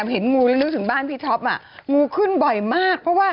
เห็นงูเราถึงบ้านพี่ท็อป